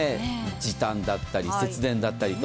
時短だったり節電だったりと。